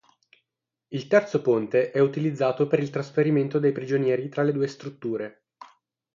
Il terzo ponte è utilizzato per il trasferimento dei prigionieri tra le due strutture.